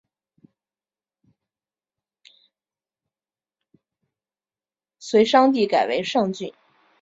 隋炀帝改为上郡。